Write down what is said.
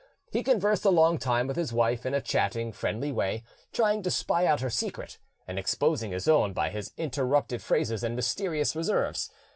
He conversed a long time with his wife in a chatting, friendly way, trying to spy out her secret, and exposing his own by his interrupted phrases and mysterious reserves.